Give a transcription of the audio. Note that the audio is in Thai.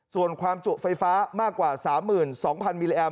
ส่วนความจุไฟฟ้ามากกว่า๓๒๐๐มิลลิแมม